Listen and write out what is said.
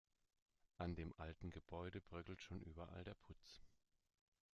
An dem alten Gebäude bröckelt schon überall der Putz.